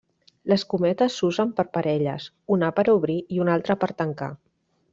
Les cometes s'usen per parelles, una per obrir i una altra per tancar.